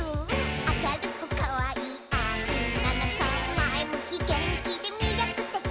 「あかるくかわいいおんなのこ」「まえむきげんきでみりょくてき！」